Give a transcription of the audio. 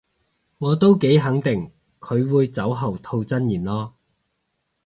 我都幾肯定佢會酒後吐真言囉